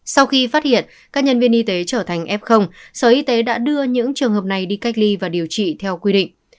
sau khi phát hiện các nhân viên y tế trở thành f sở y tế đã đưa những trường hợp này đi cách ly và điều trị theo quy định